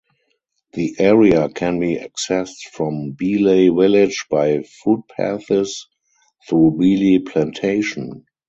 The area can be accessed from Beeley Village by footpaths through Beeley Plantation.